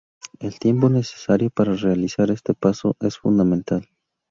El tiempo necesario para realizar este paso es fundamental.